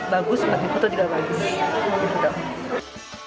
bagus buat dipotong juga bagus